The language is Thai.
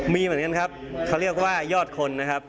มีเหมือนกันครับเขาเรียกว่ายอดคนนะครับ